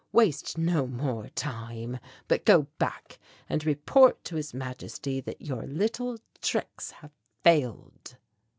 Waste no more time, but go back and report to His Majesty that your little tricks have failed."